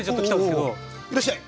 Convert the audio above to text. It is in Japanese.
いらっしゃい。